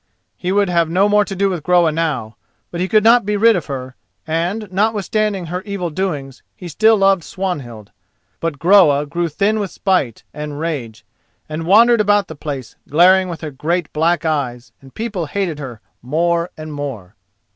He would have no more to do with Groa now, but he could not be rid of her; and, notwithstanding her evil doings, he still loved Swanhild. But Groa grew thin with spite and rage, and wandered about the place glaring with her great black eyes, and people hated her more and more.